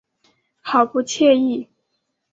好不惬意